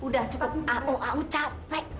udah cukup au au capek